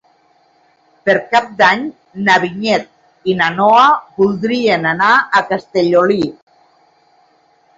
Per Cap d'Any na Vinyet i na Noa voldrien anar a Castellolí.